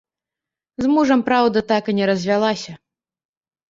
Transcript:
З мужам, праўда, так і не развялася.